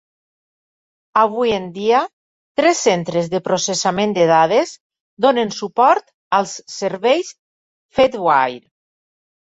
Avui en dia, tres centres de processament de dades donen suport als serveis Fedwire.